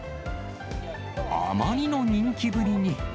あまりの人気ぶりに。